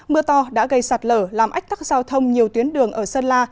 mưa to đã gây sạt lở làm ách tắc giao thông nhiều tuyến đường ở sơn la